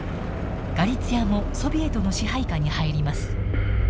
ガリツィアもソビエトの支配下に入ります。